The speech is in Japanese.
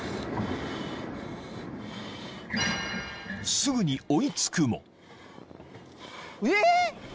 ［すぐに追い付くも］